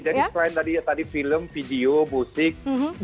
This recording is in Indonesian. selain tadi film video musik